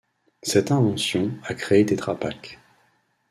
Cette invention a créé Tetra Pak.